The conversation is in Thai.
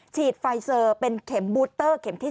ฉีดไฟเซอร์เป็นเข็มบูเตอร์เข็มที่๑